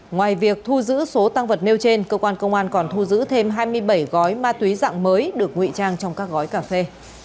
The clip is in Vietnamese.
ngoài việc thu giữ số tăng vật nêu trên cơ quan công an còn thu giữ thêm hai mươi bảy gói ma túy dạng mới được nguy trang trong các gói cà phê